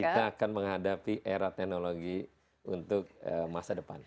kita akan menghadapi era teknologi untuk masa depan